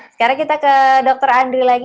sekarang kita ke dr andri lagi